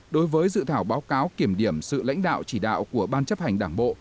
đối với dự thảo báo cáo kiểm điểm sự lãnh đạo chỉ đạo của ban chấp hành đảng bộ